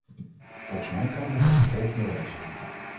Volgens mij kan dat op de volgende wijze.